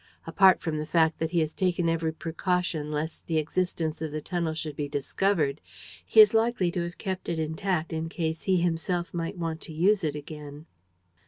Apart from the fact that he has taken every precaution lest the existence of the tunnel should be discovered, he is likely to have kept it intact in case he himself might want to use it again."